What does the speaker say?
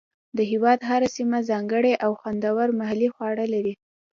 د هېواد هره سیمه ځانګړي او خوندور محلي خواړه لري.